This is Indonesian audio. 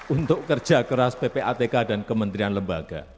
untuk kerja keras ppatk dan kementerian lembaga